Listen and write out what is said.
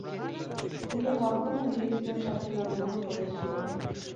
কিন্তু তখনও এটি চীনের সবচেয়ে জনবহুল প্রদেশ ছিল।